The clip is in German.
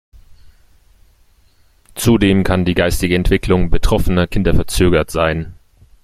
Zudem kann die geistige Entwicklung betroffener Kinder verzögert sein.